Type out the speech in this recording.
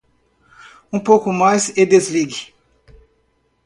Um pouco mais e desligue.